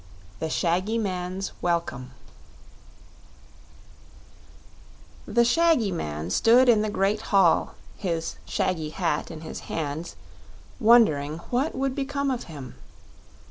The Shaggy Man's Welcome The shaggy man stood in the great hall, his shaggy hat in his hands, wondering what would become of him.